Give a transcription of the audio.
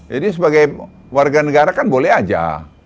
jadi sebagai warga negara kan boleh aja